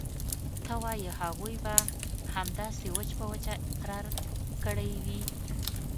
ته وايې هغوى به همداسې وچ په وچه اقرار کړى وي.